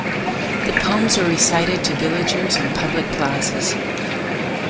The poems were recited to villagers in public plazas.